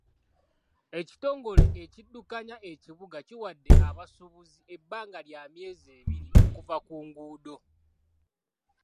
Ekitongole ekiddukanya ekibuga kiwadde abasuubuzi ebbanga lya myezi ebiri okuva ku nguudo.